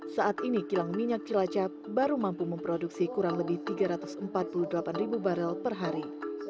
saat ini kilang minyak cilacap baru mampu memproduksi kurang lebih tiga ratus empat puluh delapan ribu barel per hari